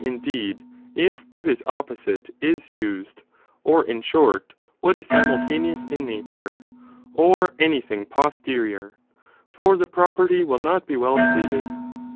indeed, if what is opposite is used, or in short, latter, be taken What is simultaneous in nature, or any thing pos asthe property. terior, for the property will not be well stated.